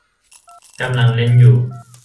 กำลังเล่นอยู่